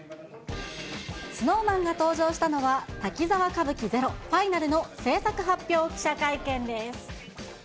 ＳｎｏｗＭａｎが登場したのは、滝沢歌舞伎ＺＥＲＯＦＩＮＡＬの製作発表記者会見です。